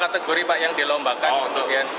kategori pak yang dilombakan